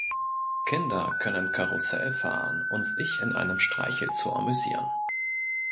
Kinder können Karussell fahren und sich in einem Streichelzoo amüsieren.